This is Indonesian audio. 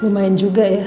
lumayan juga ya